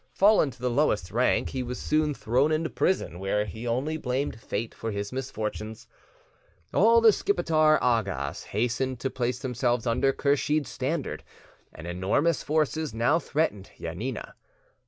Fallen to the lowest rank, he was soon thrown into prison, where he only blamed Fate for his misfortunes. All the Skipetar Agas hastened to place themselves under Kursheeds' standard, and enormous forces now threatened Janina.